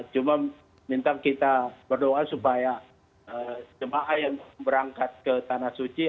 cuma minta kita berdoa supaya jemaah yang berangkat ke tanah suci